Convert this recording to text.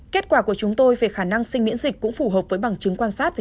kết quả của chúng tôi về khả năng sinh miễn dịch cũng phù hợp với bằng chứng quan sát